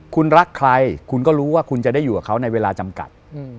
คุณรักใครคุณก็รู้ว่าคุณจะได้อยู่กับเขาในเวลาจำกัด